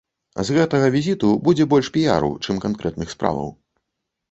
З гэтага візіту будзе больш піяру, чым канкрэтных справаў.